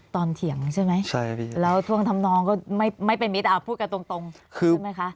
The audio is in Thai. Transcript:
เถียงใช่ไหมแล้วท่วงทำนองก็ไม่เป็นมิตรพูดกันตรงใช่ไหมคะ